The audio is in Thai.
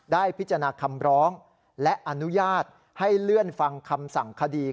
ได้พิจารณาคำร้องและอนุญาตให้เลื่อนฟังคำสั่งคดี